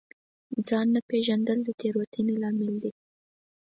ځان نه پېژندل د تېروتنې لامل دی.